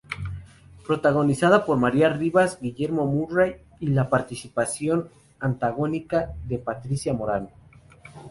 Protagonizada por María Rivas, Guillermo Murray y la participación antagónica de Patricia Morán.